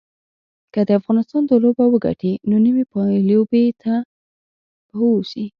که افغانستان دا لوبه وګټي نو نیمې پایلوبې ته به ووځي